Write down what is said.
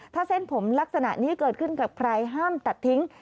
ถ้าเส้นผมลักษณะนี้เกิดขึ้นกับใครห้ามตัดทิ้ง